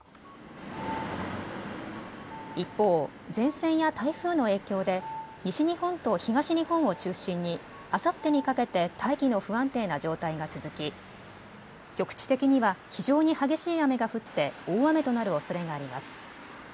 一方、前線や台風の影響で西日本と東日本を中心にあさってにかけて大気の不安定な状態が続き局地的には非常に激しい雨が降って大雨となるおそれがあります。